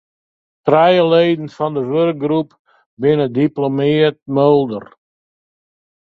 Trije leden fan de wurkgroep binne diplomearre moolder.